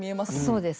そうです。